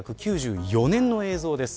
１９９４年の映像です。